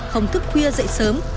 không thức khuya dậy sớm